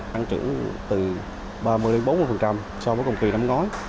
tăng trưởng từ ba mươi bốn mươi so với cùng kỳ năm ngoái